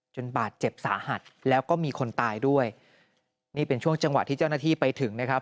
บาดเจ็บสาหัสแล้วก็มีคนตายด้วยนี่เป็นช่วงจังหวะที่เจ้าหน้าที่ไปถึงนะครับ